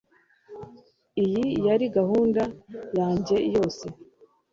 Iyi yari gahunda yanjye yose